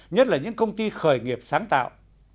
nhất là những công ty khởi nghiệp sáng tạo